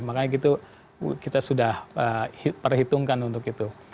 makanya gitu kita sudah perhitungkan untuk itu